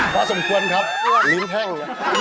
พอสมควรครับลิ้นแห้ง